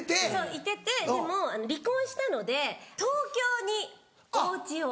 いててでも離婚したので東京におうちを今。